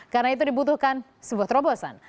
karena itu dibutuhkan sebuah terobosan